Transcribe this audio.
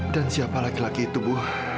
dan siapa laki laki itu bu